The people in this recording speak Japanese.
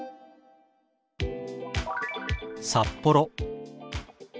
「札幌」。